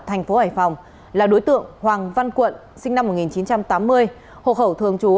thành phố hải phòng là đối tượng hoàng văn quận sinh năm một nghìn chín trăm tám mươi hộ khẩu thường trú